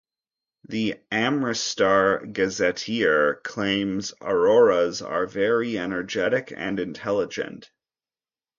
The "Amritsar Gazetteer" claims Aroras are very energetic and intelligent.